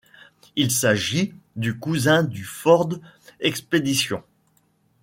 Il s'agit du cousin du Ford Expedition.